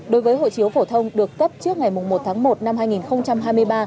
đối với hộ chiếu phổ thông được cấp trước ngày một tháng một năm hai nghìn hai mươi ba